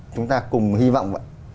chúng ta cùng hy vọng